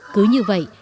cứ như vậy